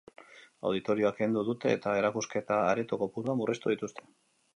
Auditorioa kendu dute eta erakusketa areto kopurua murriztu dituzte.